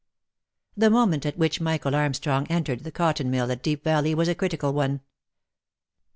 The moment at which Michael Armstrong entered the cotton mill at Deep Valley, was a critical one.